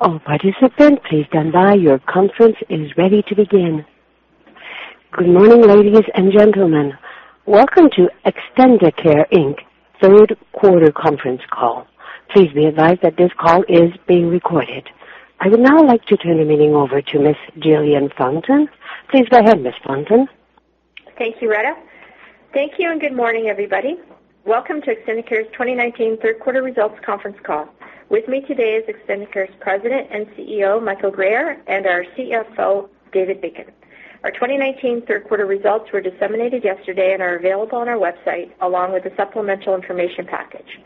All participants please stand by. Your conference is ready to begin. Good morning, ladies and gentlemen. Welcome to Extendicare Inc.'s third quarter conference call. Please be advised that this call is being recorded. I would now like to turn the meeting over to Ms. Jillian Fountain. Please go ahead, Ms. Fountain. Thank you, Retta. Thank you. Good morning, everybody. Welcome to Extendicare's 2019 third quarter results conference call. With me today is Extendicare's President and CEO, Michael Guerriere, and our CFO, David Bacon. Our 2019 third quarter results were disseminated yesterday and are available on our website, along with the supplemental information package.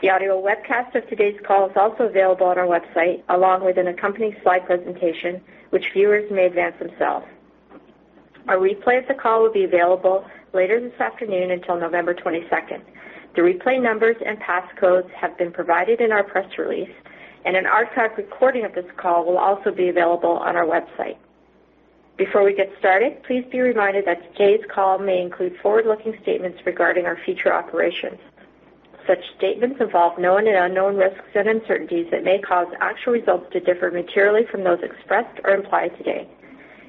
The audio webcast of today's call is also available on our website, along with an accompanying slide presentation, which viewers may advance themselves. A replay of the call will be available later this afternoon until November 22nd. The replay numbers and passcodes have been provided in our press release. An archive recording of this call will also be available on our website. Before we get started, please be reminded that today's call may include forward-looking statements regarding our future operations. Such statements involve known and unknown risks and uncertainties that may cause actual results to differ materially from those expressed or implied today.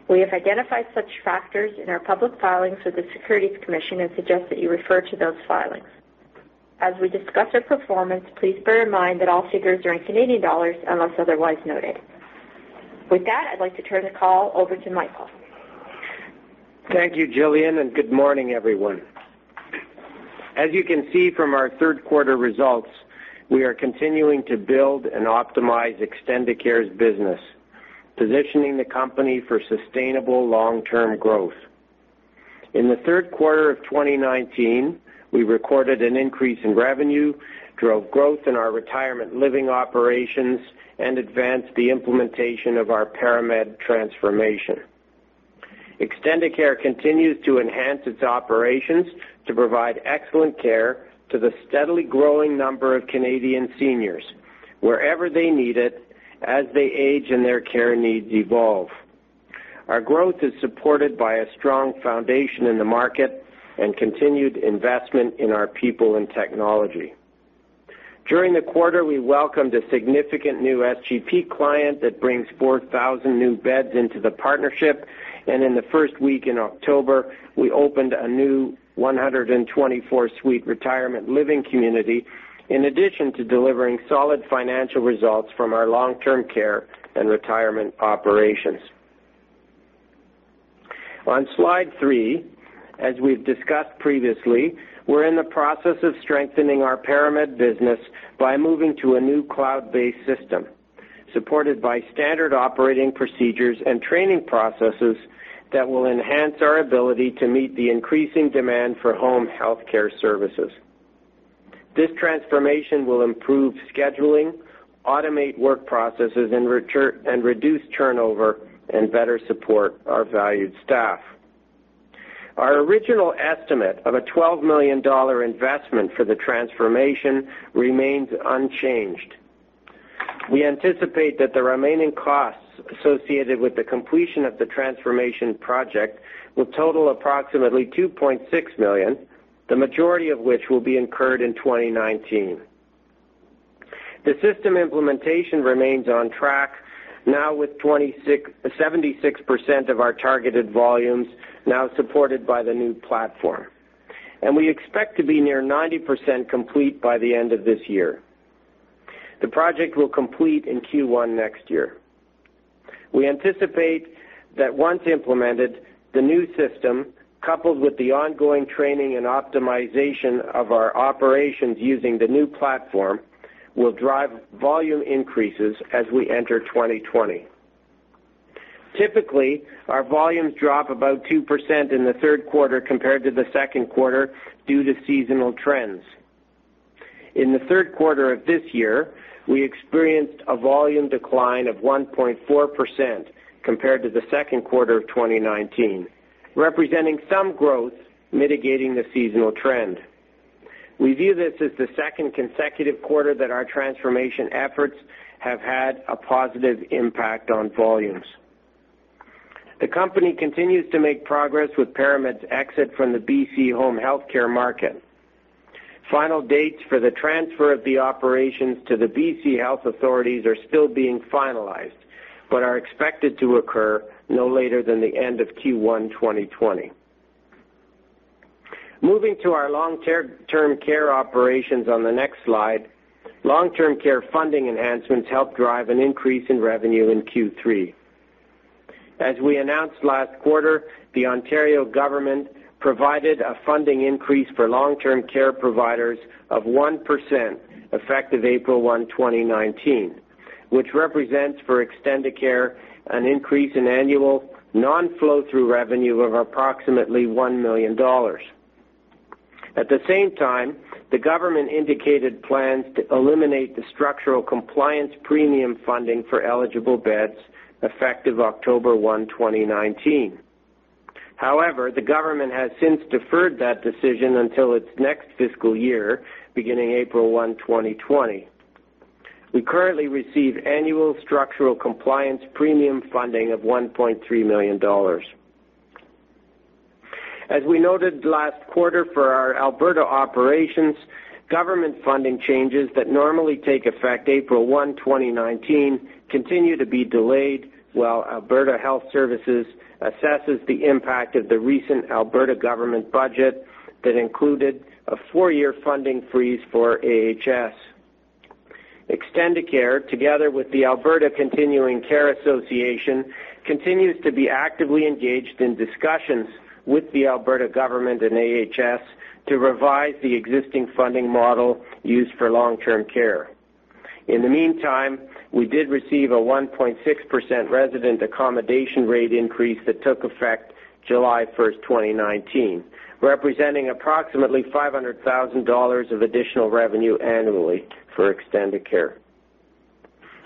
We have identified such factors in our public filings with the Securities Commission and suggest that you refer to those filings. As we discuss our performance, please bear in mind that all figures are in Canadian dollars, unless otherwise noted. With that, I'd like to turn the call over to Michael. Thank you, Jillian, and good morning, everyone. As you can see from our third quarter results, we are continuing to build and optimize Extendicare's business, positioning the company for sustainable long-term growth. In the third quarter of 2019, we recorded an increase in revenue, drove growth in our retirement living operations, and advanced the implementation of our ParaMed Transformation. Extendicare continues to enhance its operations to provide excellent care to the steadily growing number of Canadian seniors wherever they need it, as they age and their care needs evolve. Our growth is supported by a strong foundation in the market and continued investment in our people and technology. During the quarter, we welcomed a significant new SGP client that brings 4,000 new beds into the partnership, and in the first week in October, we opened a new 124-suite retirement living community, in addition to delivering solid financial results from our long-term care and retirement operations. On slide three, as we've discussed previously, we're in the process of strengthening our ParaMed business by moving to a new cloud-based system, supported by standard operating procedures and training processes that will enhance our ability to meet the increasing demand for home health care services. This transformation will improve scheduling, automate work processes, and reduce turnover, and better support our valued staff. Our original estimate of a 12 million dollar investment for the transformation remains unchanged. We anticipate that the remaining costs associated with the completion of the transformation project will total approximately 2.6 million, the majority of which will be incurred in 2019. The system implementation remains on track, now with 76% of our targeted volumes now supported by the new platform. We expect to be near 90% complete by the end of this year. The project will complete in Q1 next year. We anticipate that once implemented, the new system, coupled with the ongoing training and optimization of our operations using the new platform, will drive volume increases as we enter 2020. Typically, our volumes drop about 2% in the third quarter compared to the second quarter due to seasonal trends. In the third quarter of this year, we experienced a volume decline of 1.4% compared to the second quarter of 2019, representing some growth mitigating the seasonal trend. We view this as the second consecutive quarter that our transformation efforts have had a positive impact on volumes. The company continues to make progress with ParaMed's exit from the BC home health care market. Final dates for the transfer of the operations to the BC Health Authorities are still being finalized, but are expected to occur no later than the end of Q1 2020. Moving to our long-term care operations on the next slide. Long-term care funding enhancements helped drive an increase in revenue in Q3. As we announced last quarter, the Ontario government provided a funding increase for long-term care providers of 1%, effective April 1, 2019, which represents, for Extendicare, an increase in annual non-flow through revenue of approximately 1 million dollars. At the same time, the government indicated plans to eliminate the structural compliance premium funding for eligible beds effective October 1, 2019. However, the government has since deferred that decision until its next fiscal year, beginning April 1, 2020. We currently receive annual structural compliance premium funding of 1.3 million dollars. As we noted last quarter for our Alberta operations, government funding changes that normally take effect April 1, 2019, continue to be delayed while Alberta Health Services assesses the impact of the recent Alberta government budget that included a four-year funding freeze for AHS. Extendicare, together with the Alberta Continuing Care Association, continues to be actively engaged in discussions with the Alberta government and AHS to revise the existing funding model used for long-term care. In the meantime, we did receive a 1.6% resident accommodation rate increase that took effect July 1st, 2019, representing approximately 500,000 dollars of additional revenue annually for Extendicare.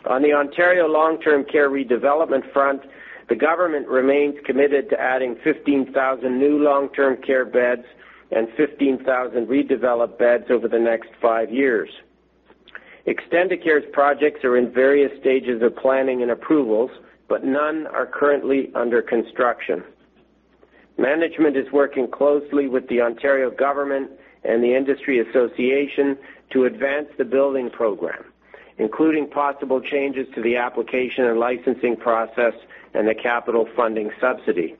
On the Ontario long-term care redevelopment front, the government remains committed to adding 15,000 new long-term care beds and 15,000 redeveloped beds over the next five years. Extendicare's projects are in various stages of planning and approvals, none are currently under construction. Management is working closely with the Ontario government and the industry association to advance the Building Program, including possible changes to the application and licensing process and the construction funding subsidy.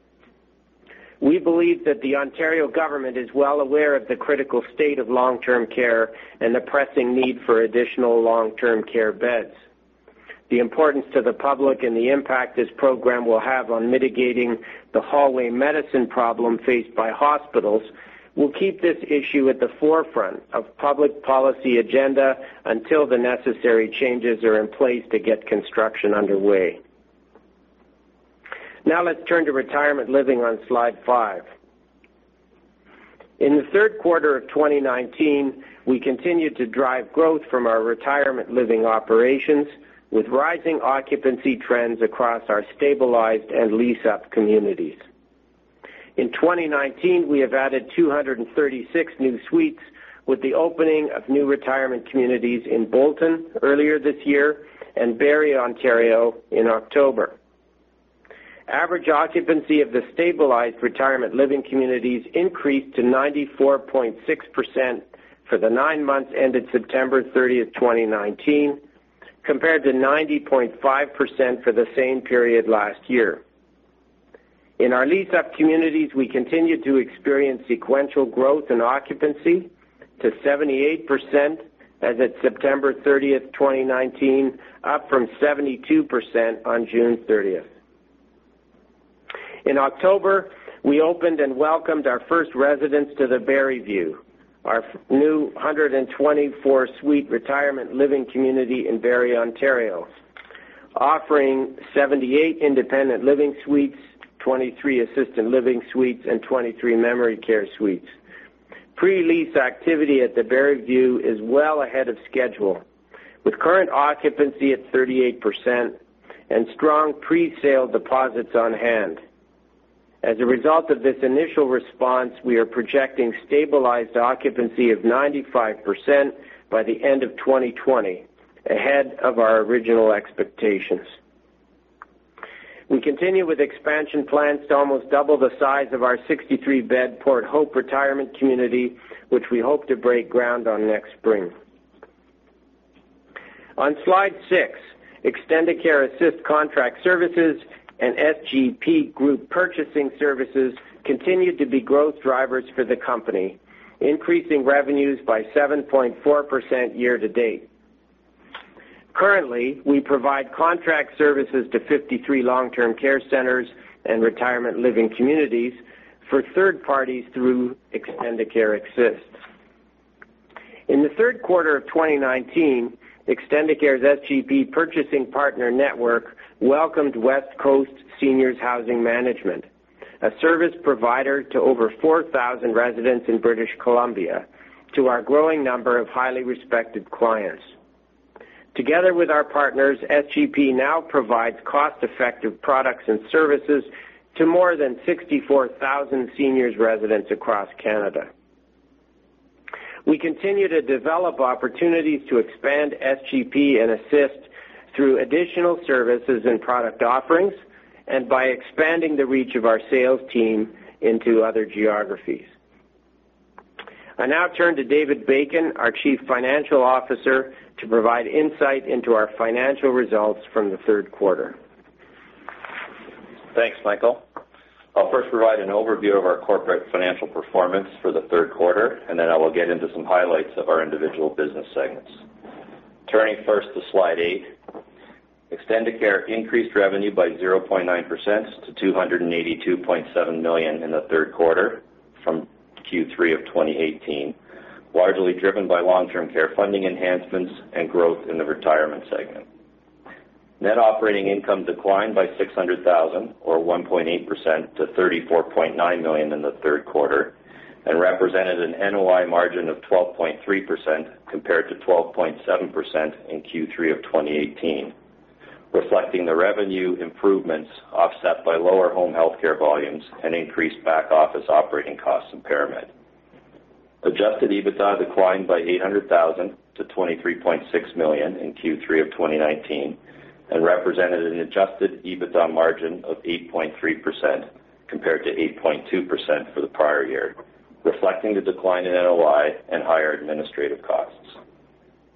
We believe that the Ontario government is well aware of the critical state of long-term care and the pressing need for additional long-term care beds. The importance to the public and the impact this program will have on mitigating the hallway medicine problem faced by hospitals will keep this issue at the forefront of public policy agenda until the necessary changes are in place to get construction underway. Let's turn to retirement living on slide five. In the third quarter of 2019, we continued to drive growth from our retirement living operations, with rising occupancy trends across our stabilized and leased-up communities. In 2019, we have added 236 new suites with the opening of new retirement communities in Bolton earlier this year and Barrie, Ontario, in October. Average occupancy of the stabilized retirement living communities increased to 94.6% for the nine months ended September 30th, 2019, compared to 90.5% for the same period last year. In our leased-up communities, we continued to experience sequential growth in occupancy to 78% as of September 30th, 2019, up from 72% on June 30th. In October, we opened and welcomed our first residents to the Barrie View, our new 124-suite retirement living community in Barrie, Ontario, offering 78 independent living suites, 23 assisted living suites, and 23 memory care suites. Pre-lease activity at the Barrie View is well ahead of schedule, with current occupancy at 38% and strong pre-sale deposits on hand. As a result of this initial response, we are projecting stabilized occupancy of 95% by the end of 2020, ahead of our original expectations. We continue with expansion plans to almost double the size of our 63-bed Port Hope retirement community, which we hope to break ground on next spring. On slide six, Extendicare Assist contract services and SGP group purchasing services continued to be growth drivers for the company, increasing revenues by 7.4% year-to-date. Currently, we provide contract services to 53 long-term care centers and retirement living communities for third parties through Extendicare Assist. In the third quarter of 2019, Extendicare's SGP Purchasing Partner Network welcomed West Coast Seniors Housing Management, a service provider to over 4,000 residents in British Columbia, to our growing number of highly respected clients. Together with our partners, SGP now provides cost-effective products and services to more than 64,000 seniors residents across Canada. We continue to develop opportunities to expand SGP and Assist through additional services and product offerings and by expanding the reach of our sales team into other geographies. I now turn to David Bacon, our Chief Financial Officer, to provide insight into our financial results from the third quarter. Thanks, Michael. I'll first provide an overview of our corporate financial performance for the third quarter, and then I will get into some highlights of our individual business segments. Turning first to slide eight, Extendicare increased revenue by 0.9% to 282.7 million in the third quarter from Q3 of 2018, largely driven by long-term care funding enhancements and growth in the retirement segment. Net operating income declined by 600,000, or 1.8%, to 34.9 million in the third quarter and represented an NOI margin of 12.3% compared to 12.7% in Q3 of 2018, reflecting the revenue improvements offset by lower home health care volumes and increased back-office operating cost impairment. Adjusted EBITDA declined by 800,000 to 23.6 million in Q3 of 2019 and represented an adjusted EBITDA margin of 8.3% compared to 8.2% for the prior year, reflecting the decline in NOI and higher administrative costs.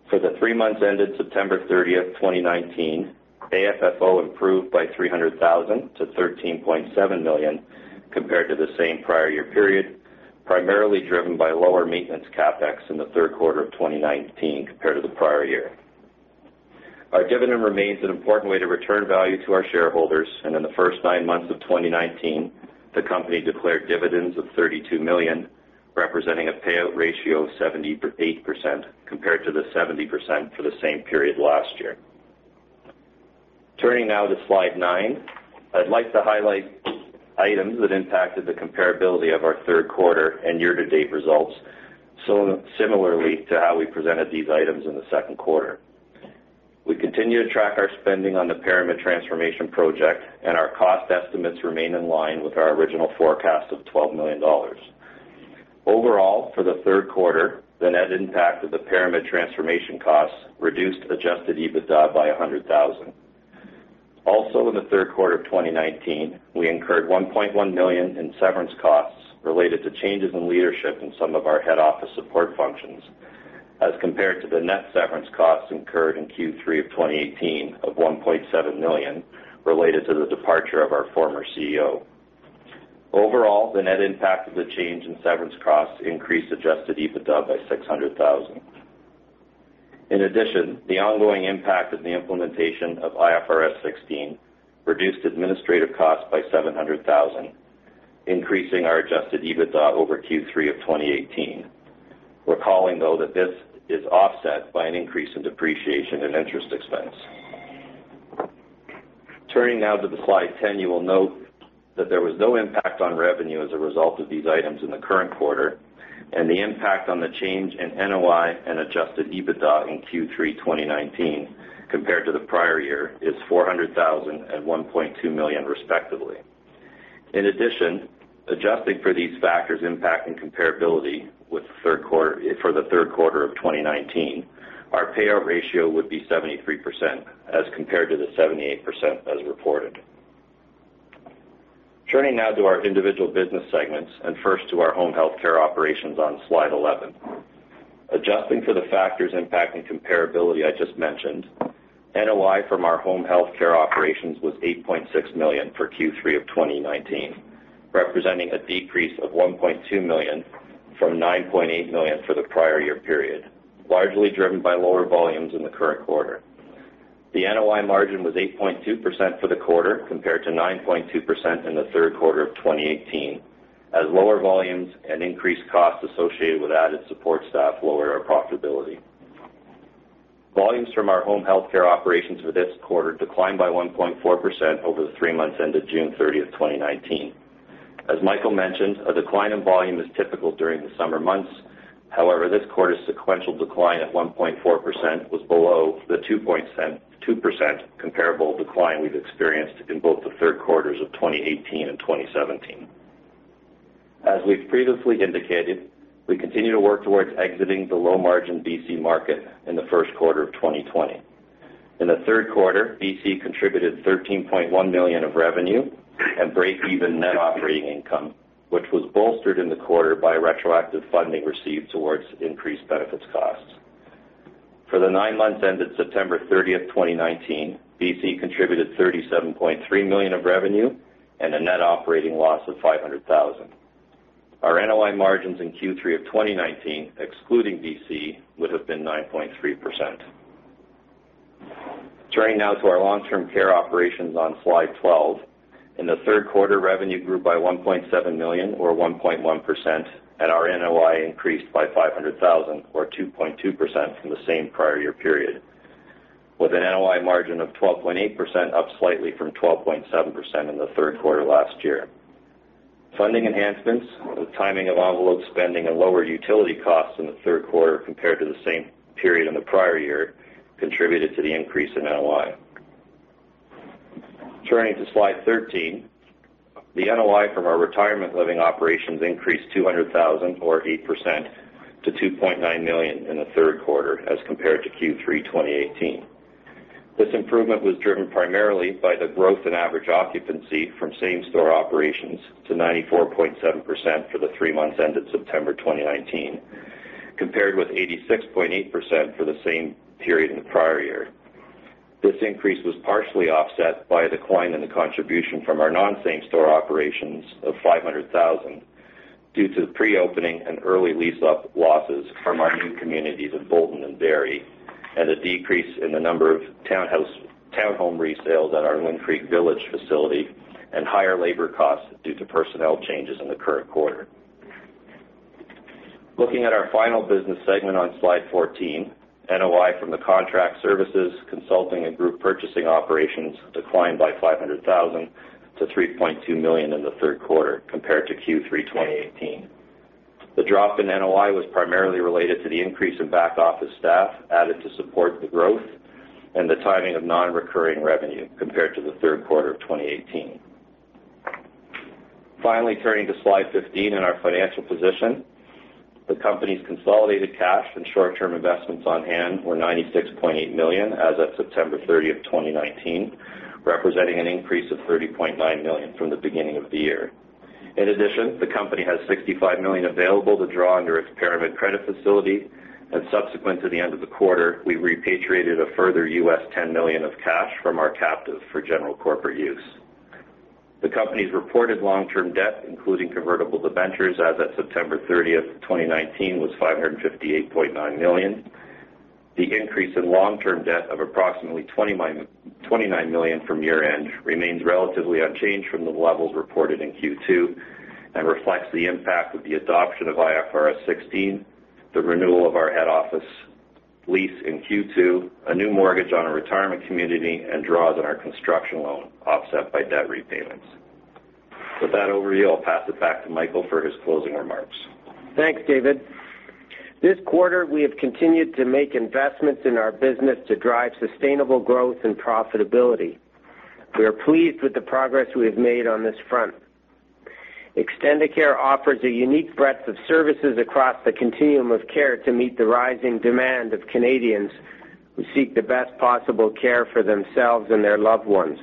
For the three months ended September 30th, 2019, AFFO improved by 300,000 to 13.7 million compared to the same prior year period, primarily driven by lower maintenance CapEx in the third quarter of 2019 compared to the prior year. Our dividend remains an important way to return value to our shareholders, and in the first nine months of 2019, the company declared dividends of 32 million, representing a payout ratio of 78% compared to the 70% for the same period last year. Turning now to slide nine. I'd like to highlight items that impacted the comparability of our third quarter and year-to-date results similarly to how we presented these items in the second quarter. We continue to track our spending on the ParaMed Transformation project, and our cost estimates remain in line with our original forecast of 12 million dollars. For the third quarter, the net impact of the ParaMed Transformation costs reduced adjusted EBITDA by 100,000. In the third quarter of 2019, we incurred 1.1 million in severance costs related to changes in leadership in some of our head office support functions as compared to the net severance costs incurred in Q3 of 2018 of 1.7 million related to the departure of our former CEO. The net impact of the change in severance costs increased adjusted EBITDA by 600,000. The ongoing impact of the implementation of IFRS 16 reduced administrative costs by 700,000, increasing our adjusted EBITDA over Q3 of 2018. Recalling, though, that this is offset by an increase in depreciation and interest expense. Turning now to slide 10, you will note that there was no impact on revenue as a result of these items in the current quarter, and the impact on the change in NOI and adjusted EBITDA in Q3 2019 compared to the prior year is 400,000 and 1.2 million, respectively. In addition, adjusting for these factors impacting comparability for the third quarter of 2019, our payout ratio would be 73% as compared to the 78% as reported. Turning now to our individual business segments and first to our home health care operations on slide 11. Adjusting for the factors impacting comparability I just mentioned, NOI from our home health care operations was 8.6 million for Q3 of 2019, representing a decrease of 1.2 million from 9.8 million for the prior year period, largely driven by lower volumes in the current quarter. The NOI margin was 8.2% for the quarter, compared to 9.2% in the third quarter of 2018, as lower volumes and increased costs associated with added support staff lower our profitability. Volumes from our home health care operations for this quarter declined by 1.4% over the three months ended June 30th, 2019. As Michael mentioned, a decline in volume is typical during the summer months. However, this quarter's sequential decline at 1.4% was below the 2% comparable decline we've experienced in both the third quarters of 2018 and 2017. As we've previously indicated, we continue to work towards exiting the low-margin BC market in the first quarter of 2020. In the third quarter, BC contributed 13.1 million of revenue and break-even net operating income, which was bolstered in the quarter by retroactive funding received towards increased benefits costs. For the nine months ended September 30th, 2019, BC contributed 37.3 million of revenue and a net operating loss of 500,000. Our NOI margins in Q3 of 2019, excluding BC, would have been 9.3%. Turning now to our long-term care operations on slide 12. In the third quarter, revenue grew by 1.7 million or 1.1%, and our NOI increased by 500,000 or 2.2% from the same prior year period with an NOI margin of 12.8%, up slightly from 12.7% in the third quarter last year. Funding enhancements, the timing of envelope spending, and lower utility costs in the third quarter compared to the same period in the prior year contributed to the increase in NOI. Turning to slide 13. The NOI from our retirement living operations increased 200,000 or 8% to 2.9 million in the third quarter as compared to Q3 2018. This improvement was driven primarily by the growth in average occupancy from same store operations to 94.7% for the three months ended September 2019, compared with 86.8% for the same period in the prior year. This increase was partially offset by a decline in the contribution from our non-same store operations of 500,000 due to pre-opening and early lease-up losses from our new communities in Bolton and Barrie, and a decrease in the number of townhome resales at our Lynde Creek Village facility and higher labor costs due to personnel changes in the current quarter. Looking at our final business segment on slide 14, NOI from the contract services, consulting, and group purchasing operations declined by 500,000 to 3.2 million in the third quarter compared to Q3 2018. The drop in NOI was primarily related to the increase in back-office staff added to support the growth and the timing of non-recurring revenue compared to the third quarter of 2018.Finally, turning to Slide 15 and our financial position. The company's consolidated cash and short-term investments on hand were 96.8 million as of September 30th, 2019, representing an increase of 30.9 million from the beginning of the year. In addition, the company has 65 million available to draw under its ParaMed credit facility, and subsequent to the end of the quarter, we repatriated a further $10 million of cash from our captive for general corporate use. The company's reported long-term debt, including convertible debentures as of September 30th, 2019, was 558.9 million. The increase in long-term debt of approximately 29 million from year-end remains relatively unchanged from the levels reported in Q2 and reflects the impact of the adoption of IFRS 16, the renewal of our head office lease in Q2, a new mortgage on a retirement community, and draws on our construction loan offset by debt repayments. With that overview, I'll pass it back to Michael for his closing remarks. Thanks, David. This quarter, we have continued to make investments in our business to drive sustainable growth and profitability. We are pleased with the progress we have made on this front. Extendicare offers a unique breadth of services across the continuum of care to meet the rising demand of Canadians who seek the best possible care for themselves and their loved ones.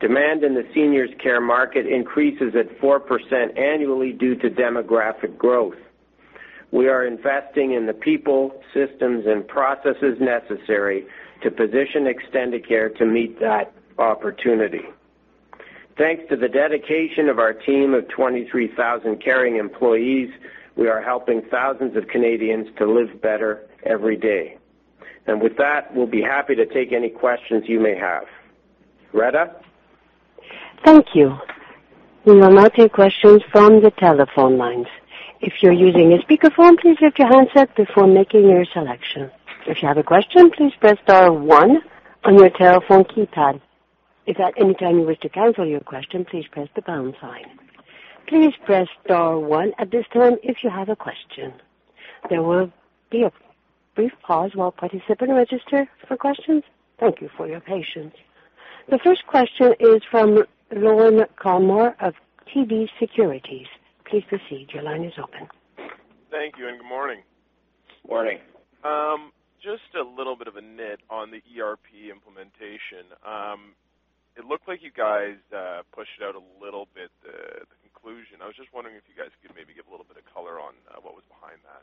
Demand in the seniors care market increases at 4% annually due to demographic growth. We are investing in the people, systems, and processes necessary to position Extendicare to meet that opportunity. Thanks to the dedication of our team of 23,000 caring employees, we are helping thousands of Canadians to live better every day. With that, we'll be happy to take any questions you may have. Retta? Thank you. We will now take questions from the telephone lines. If you're using a speakerphone, please mute your handset before making your selection. If you have a question, please press star one on your telephone keypad. If at any time you wish to cancel your question, please press the pound sign. Please press star one at this time if you have a question. There will be a brief pause while participants register for questions. Thank you for your patience. The first question is from Lauren Collmore of TD Securities. Please proceed. Your line is open. Thank you, and good morning. Morning. Just a little bit of a nit on the ERP implementation. It looked like you guys pushed out a little bit the conclusion. I was just wondering if you guys could maybe give a little bit of color on what was behind that.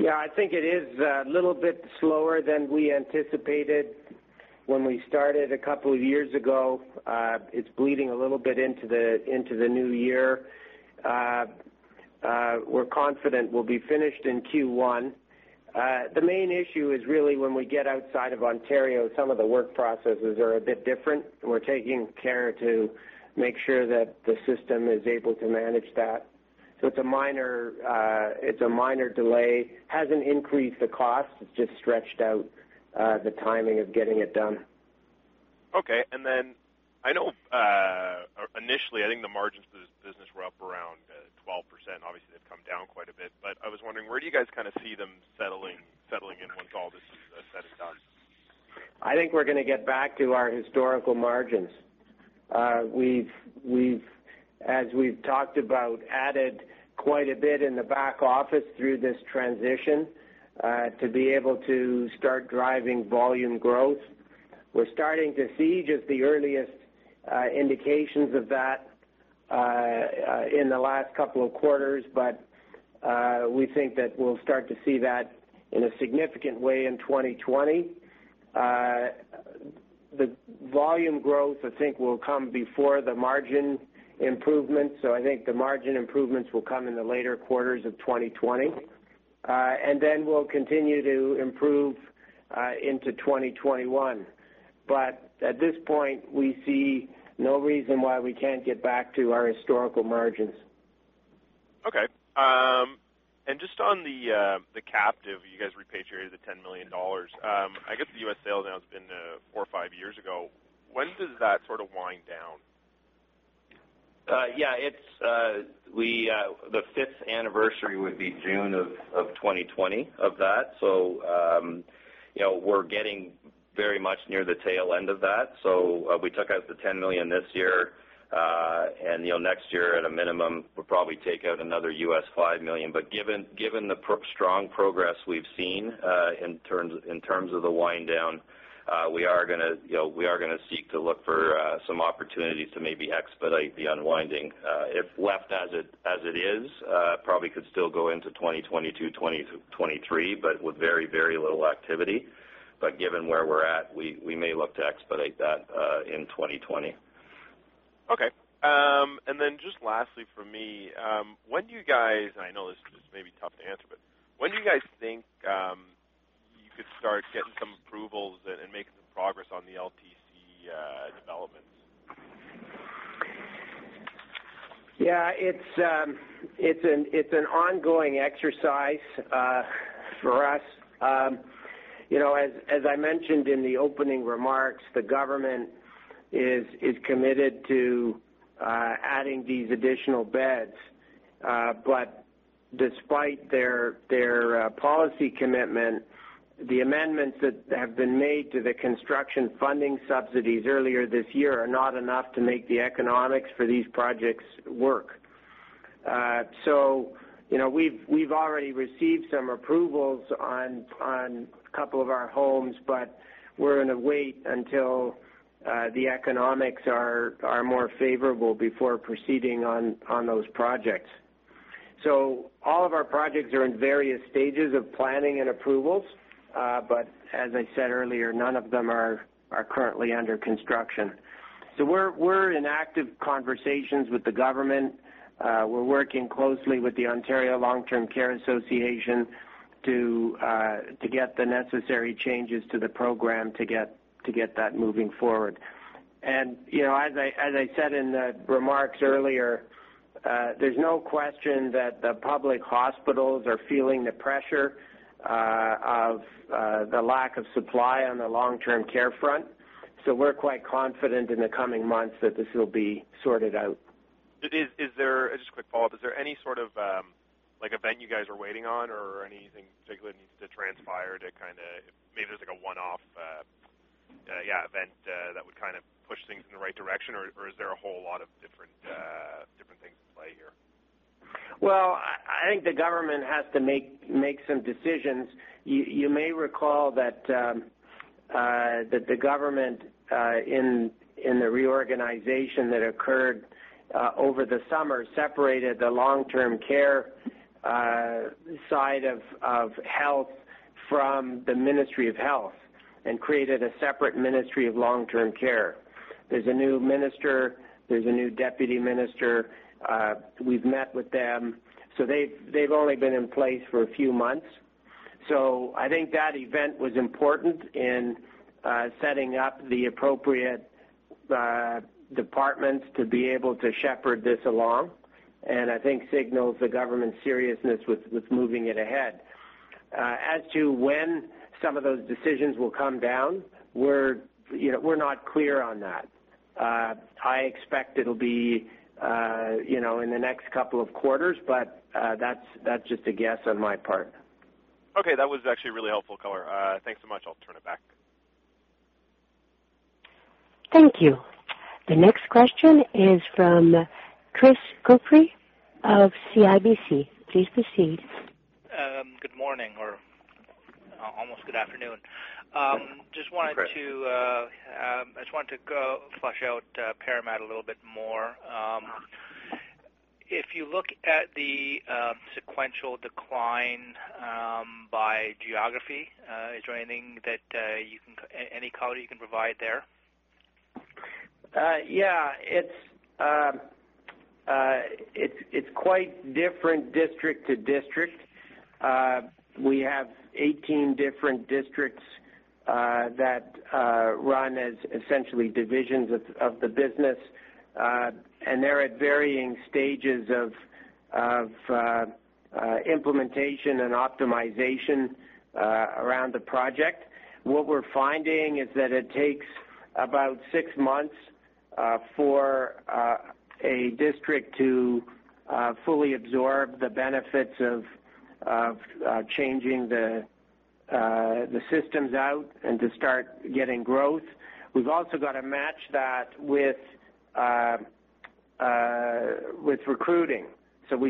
Yeah, I think it is a little bit slower than we anticipated when we started a couple of years ago. It's bleeding a little bit into the new year. We're confident we'll be finished in Q1. The main issue is really when we get outside of Ontario, some of the work processes are a bit different. We're taking care to make sure that the system is able to manage that. It's a minor delay. Hasn't increased the cost. It's just stretched out the timing of getting it done. Okay. I know, initially, I think the margins for this business were up around 12%. Obviously, they've come down quite a bit. I was wondering, where do you guys see them settling in once all this is said and done? I think we're going to get back to our historical margins. As we've talked about, added quite a bit in the back office through this transition, to be able to start driving volume growth. We're starting to see just the earliest indications of that in the last couple of quarters, but we think that we'll start to see that in a significant way in 2020. The volume growth, I think, will come before the margin improvements. I think the margin improvements will come in the later quarters of 2020. We'll continue to improve into 2021. At this point, we see no reason why we can't get back to our historical margins. Okay. Just on the captive, you guys repatriated the $10 million. I guess the U.S. sale now has been four or five years ago. When does that sort of wind down? The fifth anniversary would be June of 2020 of that. We're getting very much near the tail end of that. We took out the $10 million this year. Next year at a minimum, we'll probably take out another US$5 million. Given the strong progress we've seen, in terms of the wind down, we are going to seek to look for some opportunities to maybe expedite the unwinding. If left as it is, probably could still go into 2022, 2023, but with very, very little activity. Given where we're at, we may look to expedite that in 2020. Okay. Just lastly from me, when do you guys, and I know this may be tough to answer, but when do you guys think you could start getting some approvals and making some progress on the LTC developments? Yeah. It's an ongoing exercise for us. As I mentioned in the opening remarks, the government is committed to adding these additional beds. But despite their policy commitment, the amendments that have been made to the construction funding subsidies earlier this year are not enough to make the economics for these projects work. We've already received some approvals on a couple of our homes, but we're going to wait until the economics are more favorable before proceeding on those projects. All of our projects are in various stages of planning and approvals. As I said earlier, none of them are currently under construction. We're in active conversations with the government. We're working closely with the Ontario Long-Term Care Association to get the necessary changes to the program to get that moving forward. As I said in the remarks earlier, there's no question that the public hospitals are feeling the pressure of the lack of supply on the long-term care front. We're quite confident in the coming months that this will be sorted out. Just a quick follow-up. Is there any sort of event you guys are waiting on or anything particular that needs to transpire to kind of, maybe there's like a one-off event that would kind of push things in the right direction? Is there a whole lot of different things in play here? I think the government has to make some decisions. You may recall that the government, in the reorganization that occurred over the summer, separated the long-term care side of health from the Ministry of Health and created a separate Ministry of Long-Term Care. There's a new minister, there's a new deputy minister. We've met with them. They've only been in place for a few months. I think that event was important in setting up the appropriate departments to be able to shepherd this along, and I think signals the government's seriousness with moving it ahead. As to when some of those decisions will come down, we're not clear on that. I expect it'll be in the next couple of quarters, but that's just a guess on my part. Okay. That was actually really helpful, color. Thanks so much. I'll turn it back. Thank you. The next question is from Chris Couprie of CIBC. Please proceed. Good morning, or almost good afternoon. Good morning. Just wanted to go flesh out ParaMed a little bit more. If you look at the sequential decline by geography, is there any color you can provide there? Yeah. It's quite different district to district. We have 18 different districts that run as essentially divisions of the business, and they're at varying stages of implementation and optimization around the project. What we're finding is that it takes about six months for a district to fully absorb the benefits of changing the systems out and to start getting growth. We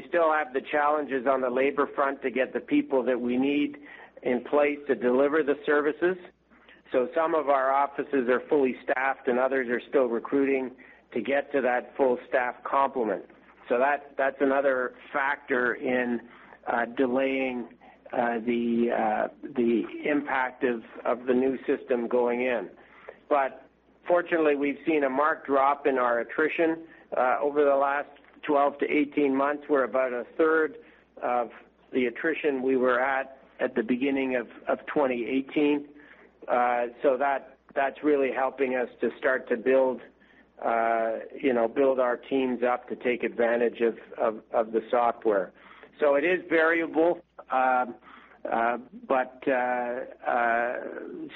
still have the challenges on the labor front to get the people that we need in place to deliver the services. Some of our offices are fully staffed, and others are still recruiting to get to that full staff complement. That's another factor in delaying the impact of the new system going in. Fortunately, we've seen a marked drop in our attrition. Over the last 12 to 18 months, we're about a third of the attrition we were at the beginning of 2018. That's really helping us to start to build our teams up to take advantage of the software. It is variable.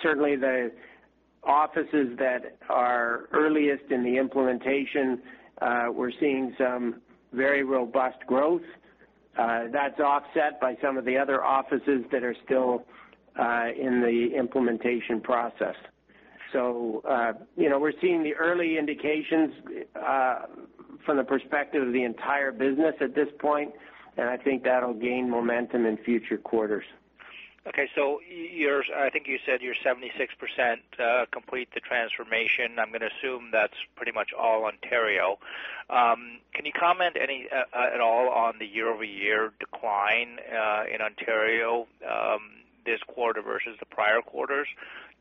Certainly the offices that are earliest in the implementation, we're seeing some very robust growth. That's offset by some of the other offices that are still in the implementation process. We're seeing the early indications from the perspective of the entire business at this point, and I think that'll gain momentum in future quarters. I think you said you're 76% complete the ParaMed Transformation. I'm going to assume that's pretty much all Ontario. Can you comment at all on the year-over-year decline in Ontario this quarter versus the prior quarters?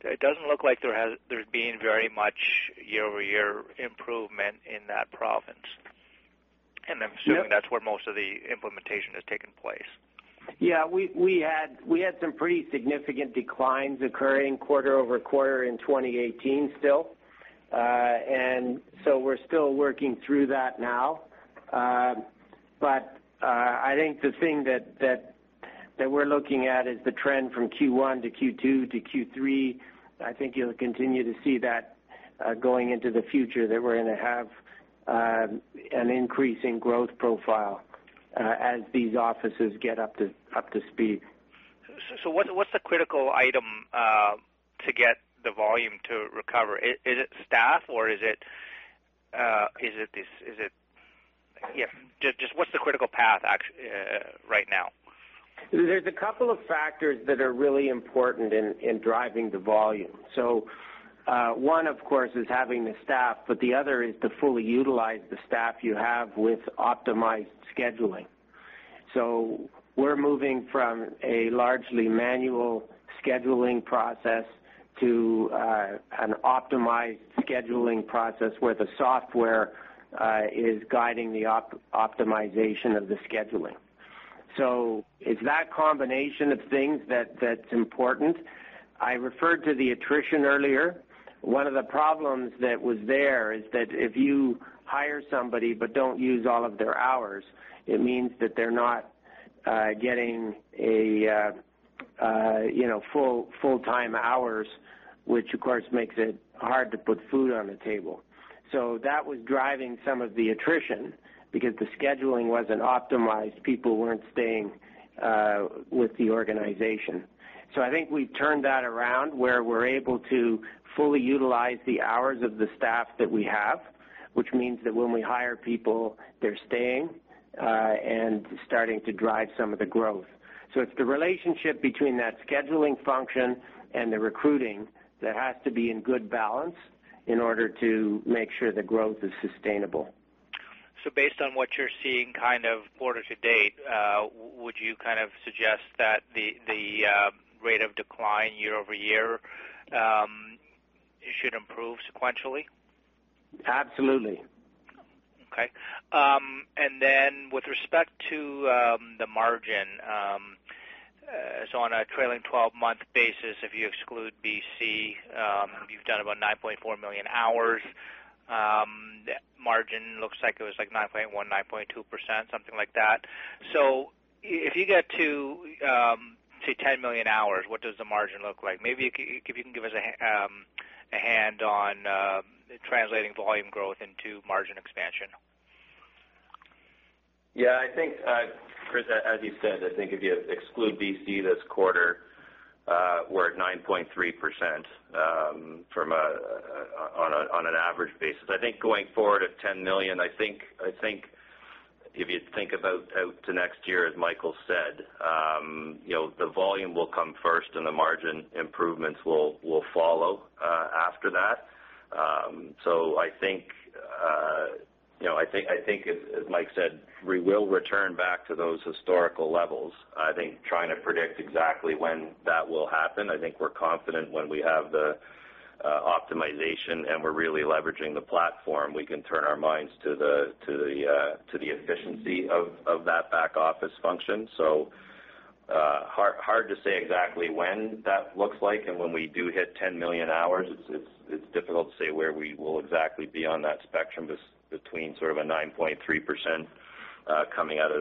It doesn't look like there's been very much year-over-year improvement in that province. I'm assuming that's where most of the implementation has taken place. Yeah, we had some pretty significant declines occurring quarter-over-quarter in 2018 still. We're still working through that now. I think the thing that we're looking at is the trend from Q1 to Q2 to Q3. I think you'll continue to see that going into the future, that we're going to have an increase in growth profile as these offices get up to speed. What's the critical item to get the volume to recover? Is it staff or is it Just what's the critical path right now? There is a couple of factors that are really important in driving the volume. One, of course, is having the staff, but the other is to fully utilize the staff you have with optimized scheduling. We are moving from a largely manual scheduling process to an optimized scheduling process where the software is guiding the optimization of the scheduling. It is that combination of things that is important. I referred to the attrition earlier. One of the problems that was there is that if you hire somebody but don't use all of their hours, it means that they are not getting full-time hours, which of course makes it hard to put food on the table. That was driving some of the attrition, because the scheduling was not optimized. People were not staying with the organization. I think we've turned that around, where we're able to fully utilize the hours of the staff that we have, which means that when we hire people, they're staying, and starting to drive some of the growth. It's the relationship between that scheduling function and the recruiting that has to be in good balance in order to make sure the growth is sustainable. Based on what you're seeing kind of quarter to date, would you kind of suggest that the rate of decline year-over-year should improve sequentially? Absolutely. Okay. With respect to the margin, on a trailing 12-month basis, if you exclude BC, you have done about 9.4 million hours. Margin looks like it was 9.1%, 9.2%. If you get to 10 million hours, what does the margin look like? Maybe if you can give us a hand on translating volume growth into margin expansion. I think, Chris, as you said, I think if you exclude BC this quarter, we're at 9.3% on an average basis. I think going forward at 10 million, I think if you think about out to next year, as Michael said, the volume will come first and the margin improvements will follow after that. I think, as Mike said, we will return back to those historical levels. I think trying to predict exactly when that will happen, I think we're confident when we have the optimization and we're really leveraging the platform, we can turn our minds to the efficiency of that back office function. Hard to say exactly when that looks like and when we do hit 10 million hours, it's difficult to say where we will exactly be on that spectrum between sort of a 9.3% coming out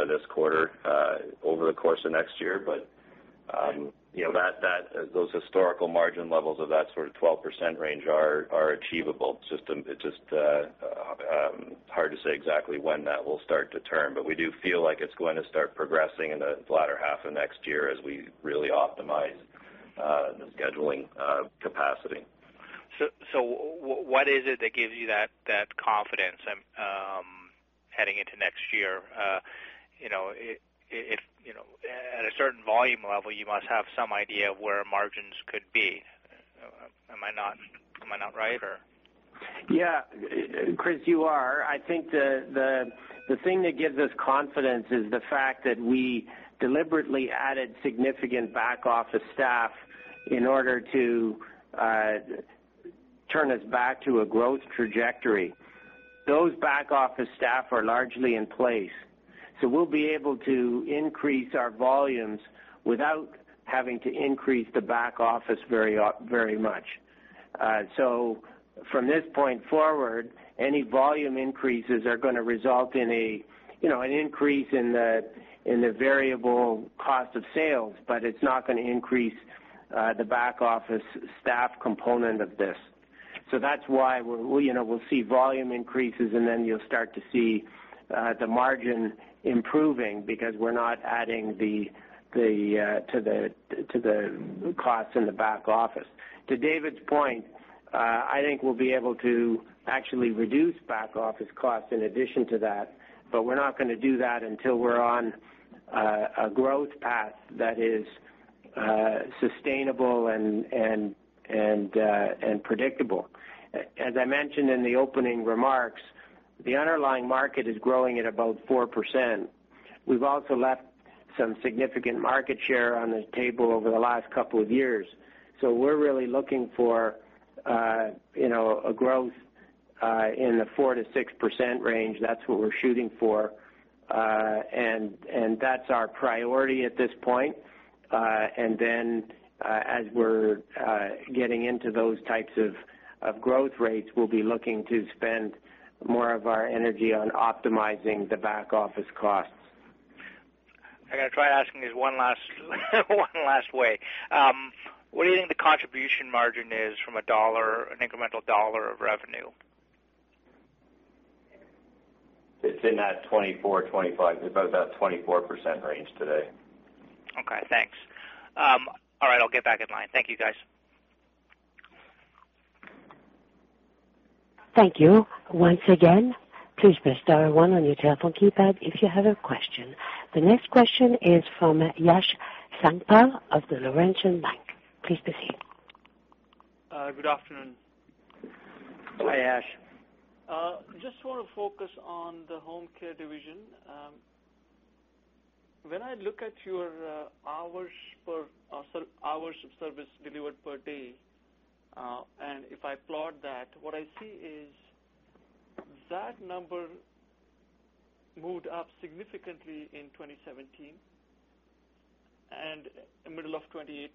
of this quarter, over the course of next year. Those historical margin levels of that sort of 12% range are achievable. It's just hard to say exactly when that will start to turn. We do feel like it's going to start progressing in the latter half of next year as we really optimize the scheduling capacity. What is it that gives you that confidence heading into next year? At a certain volume level, you must have some idea of where margins could be. Am I not right, or? Yeah. Chris, you are. I think the thing that gives us confidence is the fact that we deliberately added significant back office staff in order to turn us back to a growth trajectory. Those back office staff are largely in place. We'll be able to increase our volumes without having to increase the back office very much. From this point forward, any volume increases are going to result in an increase in the variable cost of sales, it's not going to increase the back office staff component of this. That's why we'll see volume increases, you'll start to see the margin improving because we're not adding to the cost in the back office. To David's point, I think we'll be able to actually reduce back-office costs in addition to that, but we're not going to do that until we're on a growth path that is sustainable and predictable. As I mentioned in the opening remarks, the underlying market is growing at about 4%. We've also left some significant market share on the table over the last couple of years. We're really looking for a growth in the 4%-6% range. That's what we're shooting for. That's our priority at this point. Then as we're getting into those types of growth rates, we'll be looking to spend more of our energy on optimizing the back-office costs. I'm going to try asking this one last way. What do you think the contribution margin is from an incremental dollar of revenue? It's in that 24, 25. It's about that 24% range today. Okay, thanks. All right, I'll get back in line. Thank you, guys. Thank you. Once again, please press star one on your telephone keypad if you have a question. The next question is from Yash Sankpal of the Laurentian Bank. Please proceed. Good afternoon. Hi, Yash. Just want to focus on the home health care division. If I plot that, what I see is that number moved up significantly in 2017 and middle of 2018.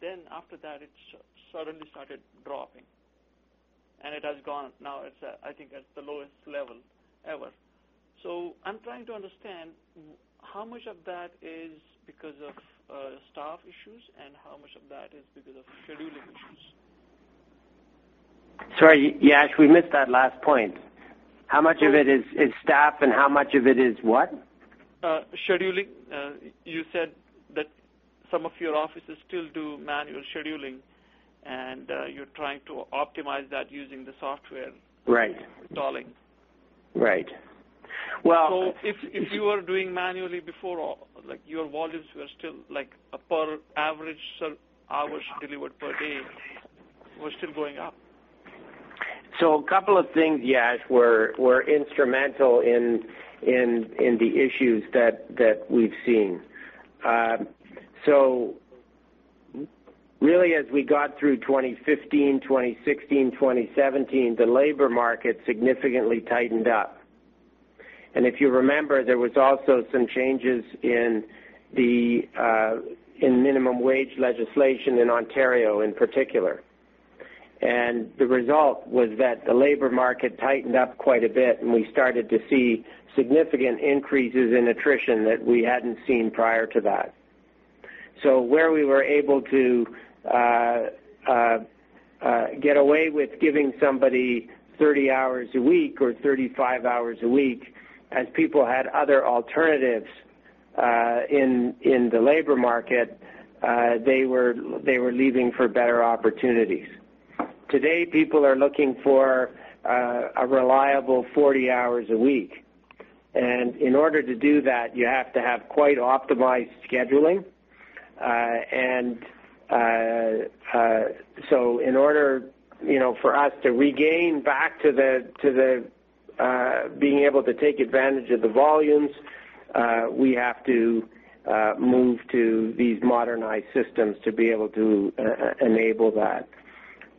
Then after that, it suddenly started dropping, and it has gone. Now, I think it's the lowest level ever. I'm trying to understand how much of that is because of staff issues and how much of that is because of scheduling issues. Sorry, Yash, we missed that last point. How much of it is staff and how much of it is what? Scheduling. You said that some of your offices still do manual scheduling, and you're trying to optimize that using the software. Right. Installing. Right. If you were doing manually before, your volumes were still like per average hours delivered per day were still going up. A couple of things, Yash, were instrumental in the issues that we've seen. Really, as we got through 2015, 2016, 2017, the labor market significantly tightened up. If you remember, there was also some changes in minimum wage legislation in Ontario in particular. The result was that the labor market tightened up quite a bit, and we started to see significant increases in attrition that we hadn't seen prior to that. Where we were able to get away with giving somebody 30 hours a week or 35 hours a week, as people had other alternatives in the labor market, they were leaving for better opportunities. Today, people are looking for a reliable 40 hours a week, and in order to do that, you have to have quite optimized scheduling. In order for us to regain back to being able to take advantage of the volumes, we have to move to these modernized systems to be able to enable that.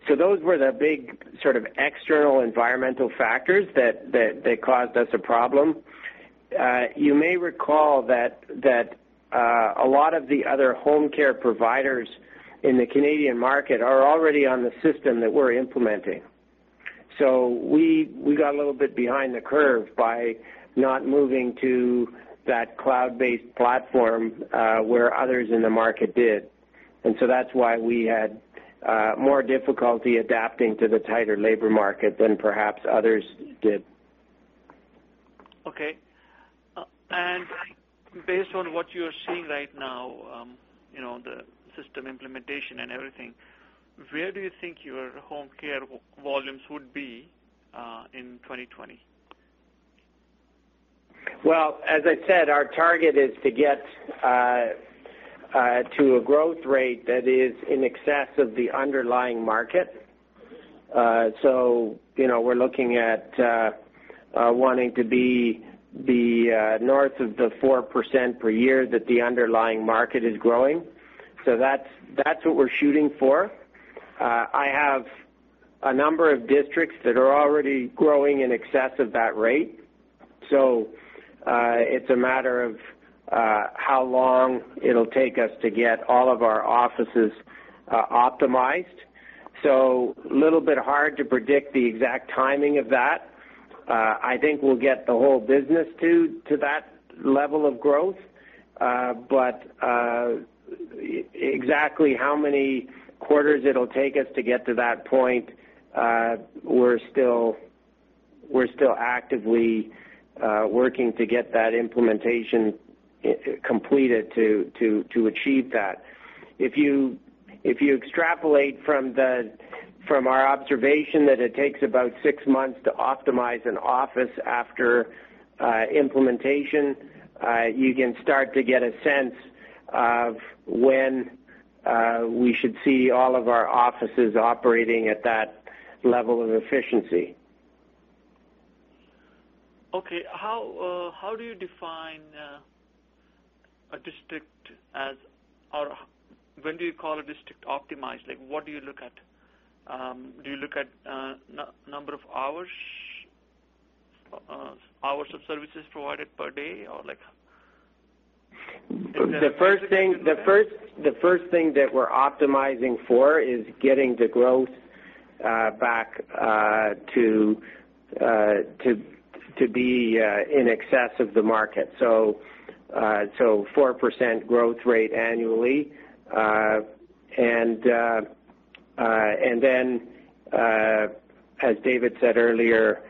Those were the big sort of external environmental factors that caused us a problem. You may recall that a lot of the other home health care providers in the Canadian market are already on the system that we're implementing. We got a little bit behind the curve by not moving to that cloud-based platform, where others in the market did. That's why we had more difficulty adapting to the tighter labor market than perhaps others did. Okay. Based on what you're seeing right now, the system implementation and everything, where do you think your home care volumes would be in 2020? Well, as I said, our target is to get to a growth rate that is in excess of the underlying market. We're looking at wanting to be north of the 4% per year that the underlying market is growing. That's what we're shooting for. I have a number of districts that are already growing in excess of that rate. It's a matter of how long it'll take us to get all of our offices optimized. A little bit hard to predict the exact timing of that. I think we'll get the whole business to that level of growth. Exactly how many quarters it'll take us to get to that point, we're still actively working to get that implementation completed to achieve that. If you extrapolate from our observation that it takes about six months to optimize an office after implementation, you can start to get a sense of when we should see all of our offices operating at that level of efficiency. Okay, how do you define a district as, or when do you call a district optimized? What do you look at? Do you look at number of hours of services provided per day? The first thing that we're optimizing for is getting the growth back to be in excess of the market, so 4% growth rate annually. Then, as David said earlier,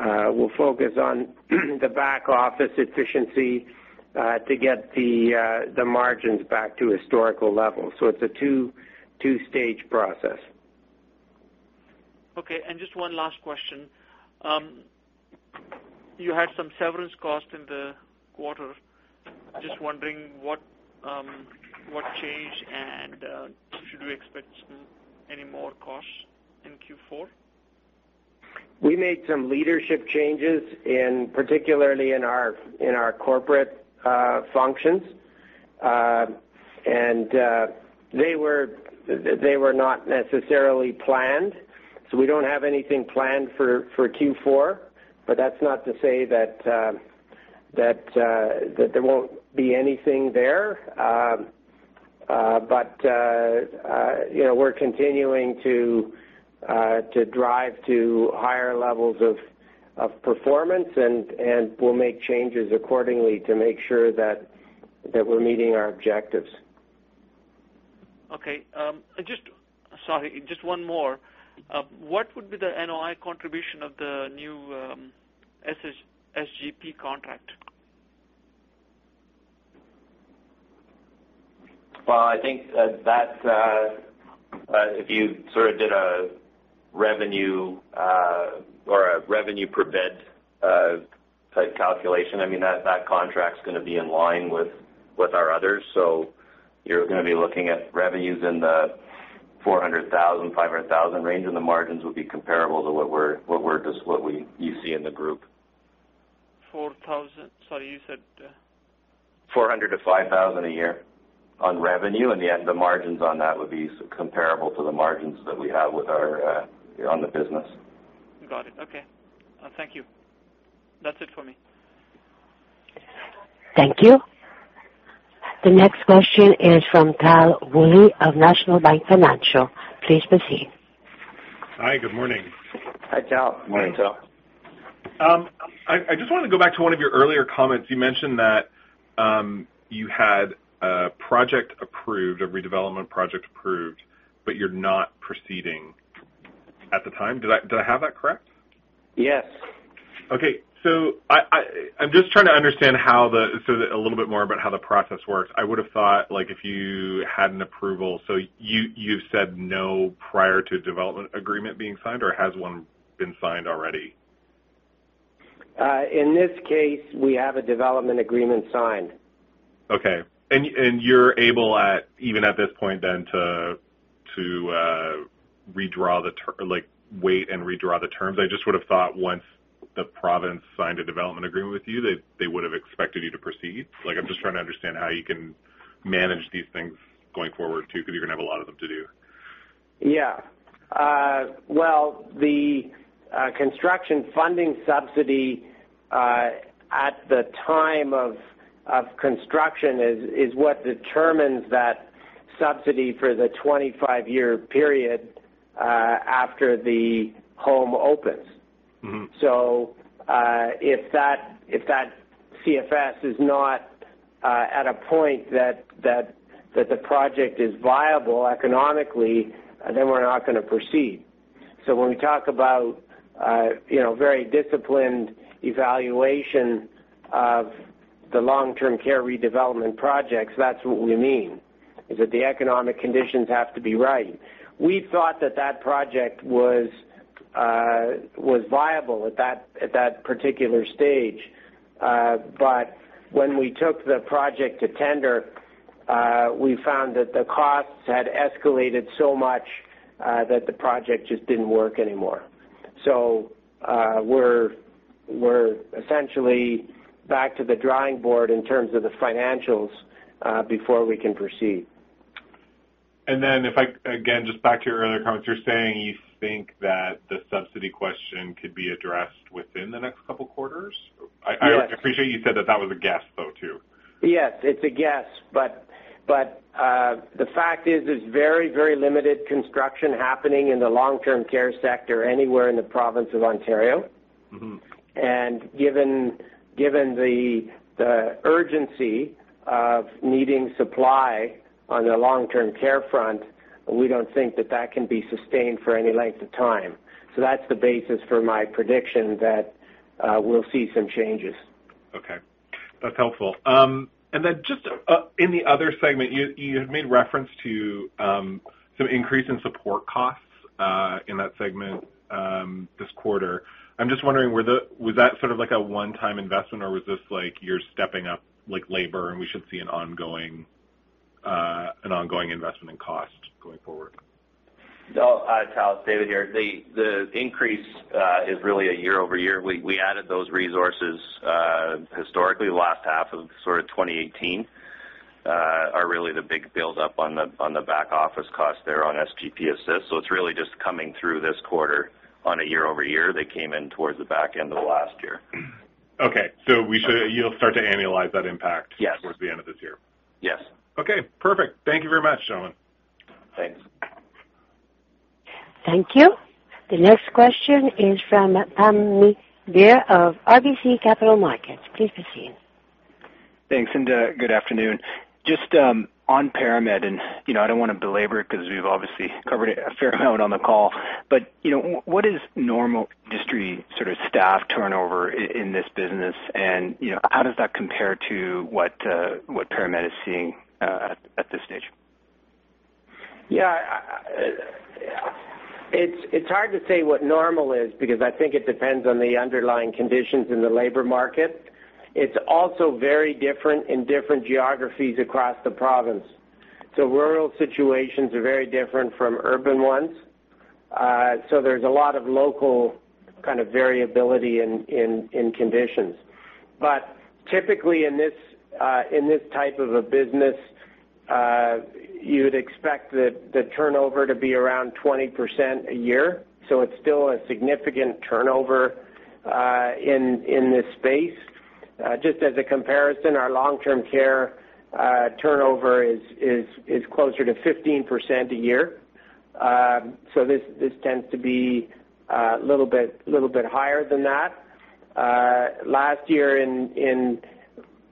we'll focus on the back office efficiency to get the margins back to historical levels. It's a 2-stage process. Okay, just one last question. You had some severance costs in the quarter. Just wondering what changed, and should we expect any more costs in Q4? We made some leadership changes, particularly in our corporate functions. They were not necessarily planned, so we don't have anything planned for Q4. That's not to say that there won't be anything there. We're continuing to drive to higher levels of performance, and we'll make changes accordingly to make sure that we're meeting our objectives. Okay. Sorry, just one more. What would be the NOI contribution of the new SGP contract? Well, I think that if you sort of did a revenue per bed type calculation, that contract's going to be in line with our others. You're going to be looking at revenues in the 400,000, 500,000 range, and the margins will be comparable to what you see in the group. 4,000? Sorry, you said 400-500 a year on revenue, and the margins on that would be comparable to the margins that we have on the business. Got it. Okay. Thank you. That's it for me. Thank you. The next question is from Tal Woolley of National Bank Financial. Please proceed. Hi. Good morning. Hi, Tal. Morning, Tal. I just wanted to go back to one of your earlier comments. You mentioned that you had a redevelopment project approved, but you're not proceeding at the time. Do I have that correct? Yes. Okay. I'm just trying to understand a little bit more about how the process works. I would've thought if you had an approval, so you've said no prior to a development agreement being signed, or has one been signed already? In this case, we have a development agreement signed. Okay. You're able, even at this point then, to wait and redraw the terms? I just would've thought once the province signed a development agreement with you, they would've expected you to proceed. I'm just trying to understand how you can manage these things going forward, too, because you're going to have a lot of them to do. Yeah. Well, the construction funding subsidy at the time of construction is what determines that subsidy for the 25-year period after the home opens. If that CFS is not at a point that the project is viable economically, then we're not going to proceed. When we talk about very disciplined evaluation of the long-term care redevelopment projects, that's what we mean, is that the economic conditions have to be right. We thought that that project was viable at that particular stage. When we took the project to tender, we found that the costs had escalated so much that the project just didn't work anymore. We're essentially back to the drawing board in terms of the financials before we can proceed. Again, just back to your earlier comments, you're saying you think that the subsidy question could be addressed within the next couple of quarters? Yes. I appreciate you said that that was a guess, though, too. Yes, it's a guess, but the fact is, there's very, very limited construction happening in the long-term care sector anywhere in the province of Ontario. Given the urgency of needing supply on the long-term care front, we don't think that that can be sustained for any length of time. That's the basis for my prediction that we'll see some changes. Okay. That's helpful. Just in the other segment, you had made reference to some increase in support costs in that segment this quarter. I'm just wondering, was that sort of like a one-time investment, or was this like you're stepping up labor, and we should see an ongoing investment in cost going forward? No. Tal, it's David here. The increase is really a year-over-year. We added those resources partly last half of sort of 2018 are really the big build up on the back office costs there on SGP Assist. It's really just coming through this quarter on a year-over-year. They came in towards the back end of last year. Okay. You'll start to annualize that impact. Yes towards the end of this year? Yes. Okay, perfect. Thank you very much, gentlemen. Thanks. Thank you. The next question is from Pammi Bir of RBC Capital Markets. Please proceed. Thanks, and good afternoon. Just on ParaMed, and I don't want to belabor it because we've obviously covered it a fair amount on the call, but what is normal industry sort of staff turnover in this business and how does that compare to what ParaMed is seeing at this stage? It's hard to say what normal is because I think it depends on the underlying conditions in the labor market. It's also very different in different geographies across the province. Rural situations are very different from urban ones. There's a lot of local kind of variability in conditions. Typically in this type of a business, you'd expect the turnover to be around 20% a year. It's still a significant turnover in this space. Just as a comparison, our long-term care turnover is closer to 15% a year. This tends to be a little bit higher than that. Last year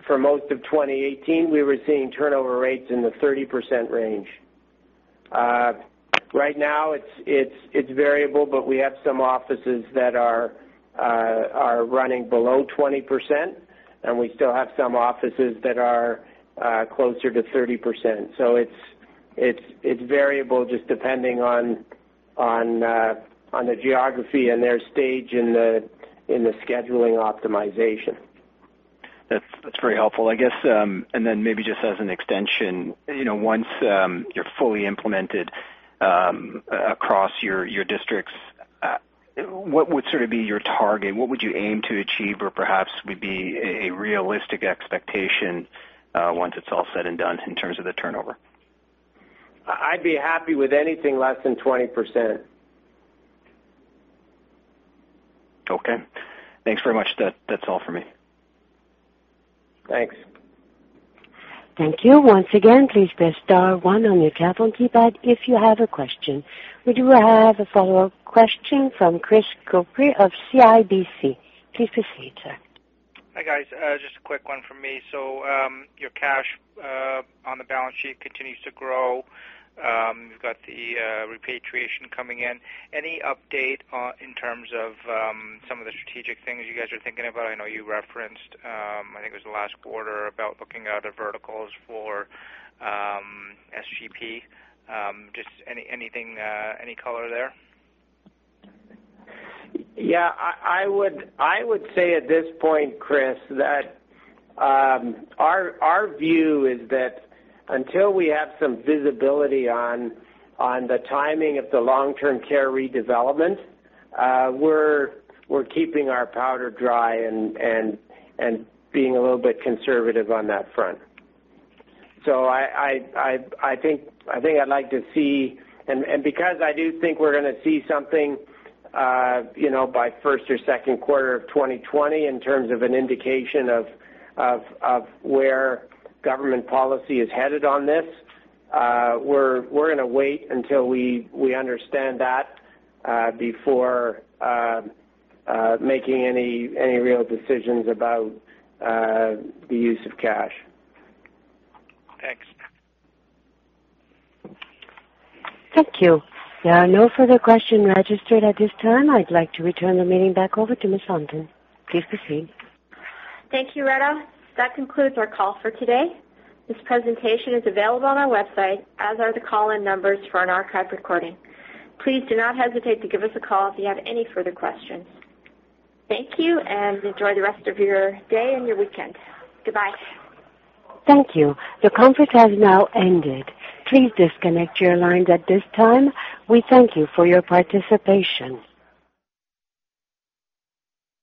for most of 2018, we were seeing turnover rates in the 30% range. Right now it's variable, but we have some offices that are running below 20% and we still have some offices that are closer to 30%. It's variable just depending on the geography and their stage in the scheduling optimization. That's very helpful. I guess, maybe just as an extension, once you're fully implemented across your districts, what would sort of be your target? What would you aim to achieve or perhaps would be a realistic expectation once it's all said and done in terms of the turnover? I'd be happy with anything less than 20%. Okay. Thanks very much. That's all for me. Thanks. Thank you. Once again, please press star one on your telephone keypad if you have a question. We do have a follow-up question from Chris Couprie of CIBC. Please proceed, sir. Hi, guys. Just a quick one from me. Your cash on the balance sheet continues to grow. You've got the repatriation coming in. Any update in terms of some of the strategic things you guys are thinking about? I know you referenced, I think it was the last quarter, about looking at other verticals for SGP. Just any color there? Yeah, I would say at this point, Chris, that our view is that until we have some visibility on the timing of the long-term care redevelopment, we're keeping our powder dry and being a little bit conservative on that front. I think I'd like to see, and because I do think we're going to see something by first or second quarter of 2020 in terms of an indication of where government policy is headed on this, we're going to wait until we understand that before making any real decisions about the use of cash. Thanks. Thank you. There are no further question registered at this time. I'd like to return the meeting back over to Ms. Fountain. Please proceed. Thank you, Retta. That concludes our call for today. This presentation is available on our website, as are the call-in numbers for an archive recording. Please do not hesitate to give us a call if you have any further questions. Thank you, and enjoy the rest of your day and your weekend. Goodbye. Thank you. The conference has now ended. Please disconnect your lines at this time. We thank you for your participation.